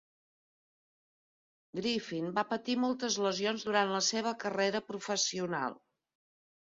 Griffin va patir moltes lesions durant la seva carrera professional.